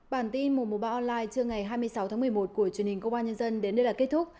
bản tin mùa mùa ba online trưa ngày hai mươi sáu tháng một mươi một của truyền hình công an nhân dân đến đây là kết thúc